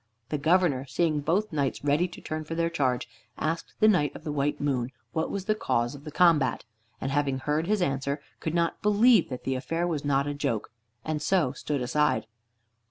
The Governor, seeing both knights ready to turn for their charge, asked the Knight of the White Moon what was the cause of the combat, and having heard his answer, could not believe that the affair was not a joke, and so stood aside.